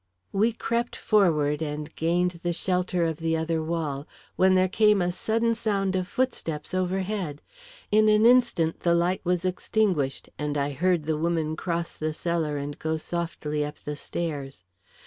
We crept forward and gained the shelter of the other wall, when there came a sudden sound of footsteps overhead. In an instant the light was extinguished, and I heard the woman cross the cellar and go softly up the stairs.